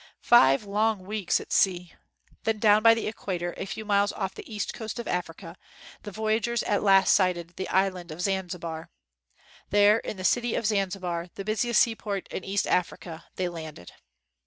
Five long weeks at sea! Then down by the equator a few miles off the east coast of Africa, the voyagers at last sighted the island of Zanzibar. There in the city of Zanzibar, the busiest seaport in East Africa, they landed.